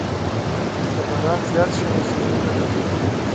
که باران زیات شي نو سیندونه ډکېږي.